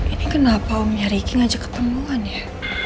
ini kenapa om riki ngajak ketemuan ya